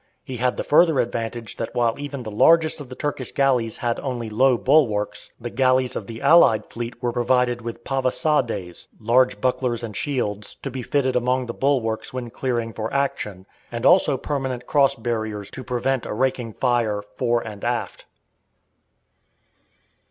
He had the further advantage that while even the largest of the Turkish galleys had only low bulwarks, the galleys of the allied fleet were provided with pavesades, large bucklers and shields, to be fitted along the bulwarks when clearing for action, and also permanent cross barriers to prevent a raking fire fore and aft.